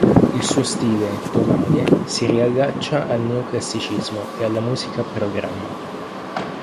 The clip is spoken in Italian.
Il suo stile, tonale, si riallaccia al neoclassicismo e alla musica a programma.